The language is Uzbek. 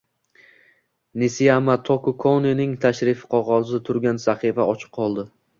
Nisiyama Tokukoning tashrif qog`ozi turgan sahifa ochiq qoldi